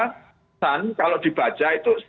kalau dibaca itu